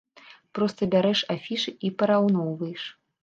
Проста бярэш афішы і параўноўваеш!